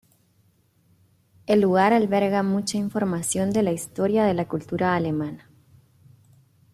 El lugar alberga mucha información de la historia de la cultura alemana.